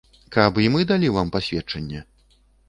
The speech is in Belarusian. Каб і мы далі вам пасведчанне?